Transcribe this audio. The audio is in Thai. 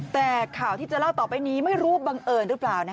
แต่ข่าวที่จะเล่าต่อไปนี้ไม่รู้บังเอิญหรือเปล่า